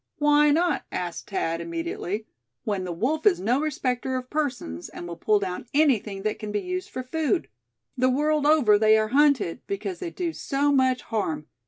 "Why not?" asked Thad, immediately; "when the wolf is no respecter of persons, and will pull down anything that can be used for food? The world over, they are hunted, because they do so much harm.